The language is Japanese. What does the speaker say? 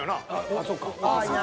あっそうか。